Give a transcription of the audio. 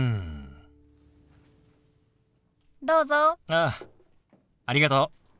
ああありがとう。